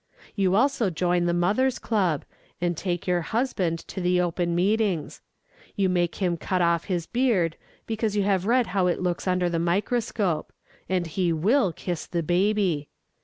You also join the Mothers' Club, and take your husband to the open meetings. You make him cut off his beard, because you have read how it looks under the microscope and he will kiss the baby.